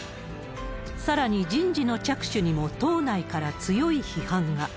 さらに、人事の着手にも党内から強い批判が。